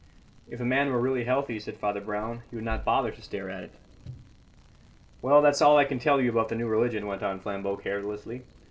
"If a man were really healthy," said Father Brown, "he would not bother to stare at it." "Well, that's all I can tell you about the new religion," went on Flambeau carelessly.